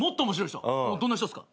どんな人ですか？